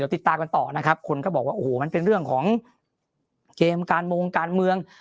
ติดตามกันต่อนะครับคนก็บอกว่าโอ้โหมันเป็นเรื่องของเกมการมงการเมือง